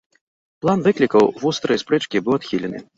План выклікаў вострыя спрэчкі і быў адхілены.